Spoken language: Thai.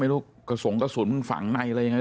ลูกกระสงกระสุนมันฝังในอะไรยังไง